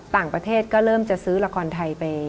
ต่างประเทศก็เริ่มจะซื้อละครไทยไป